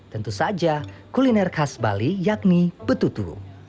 tentu saja kuliner khas bali yakni betutu